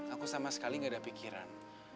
aku sama sekali gak ada pikiran